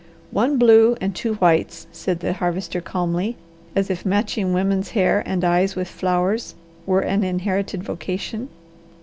"One blue and two whites," said the Harvester calmly, as if matching women's hair and eyes with flowers were an inherited vocation.